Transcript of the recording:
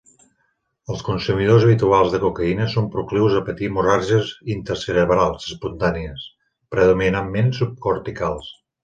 Els consumidors habituals de cocaïna són proclius a patir hemorràgies intracerebrals espontànies, predominantment subcorticals.